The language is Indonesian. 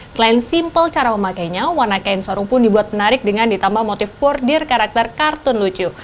selain simple cara memakainya warna kain sorung pun dibuat menarik dengan ditambah motif bordir karakter kartun lucu